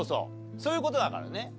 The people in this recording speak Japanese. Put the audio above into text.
そういう事だからね。